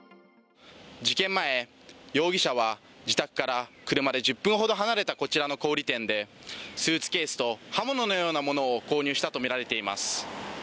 事件前、容疑者は自宅から車で１０分ほど離れたこちらの小売店でスーツケースと刃物のようなものを購入したとみられています。